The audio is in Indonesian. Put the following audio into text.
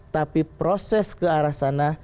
tapi proses ke arah sana